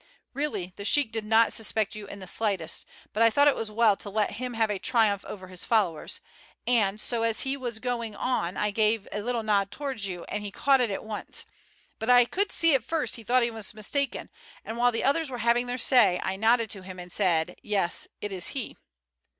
Really the sheik did not suspect you in the slightest, but I thought it was well to let him have a triumph over his followers, and so as he was going on I gave a little nod towards you and he caught it at once; but I could see at first he thought he was mistaken, and while the others were having their say I nodded to him and said, 'Yes it is he.'"